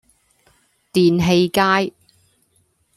電氣街